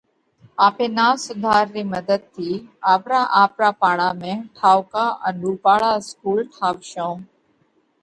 آپي نات سُڌار رِي مڌت ٿِي آپرا آپرا پاڙا ۾ ٺائُوڪا ان رُوپاۯا اِسڪُول ٺاوَشون۔